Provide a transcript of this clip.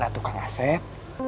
atau kang asep